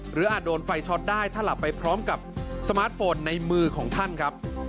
อาจโดนไฟช็อตได้ถ้าหลับไปพร้อมกับสมาร์ทโฟนในมือของท่านครับ